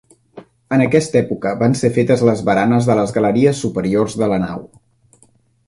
En aquesta època van ser fetes les baranes de les galeries superiors de la nau.